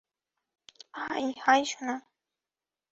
High, hi সোনা!